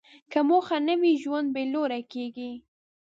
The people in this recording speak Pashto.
که موخه نه وي، ژوند بېلوري کېږي.